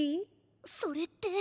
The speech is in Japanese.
それって。